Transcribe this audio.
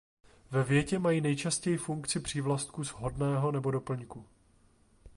Ve větě mají nejčastěji funkci přívlastku shodného nebo doplňku.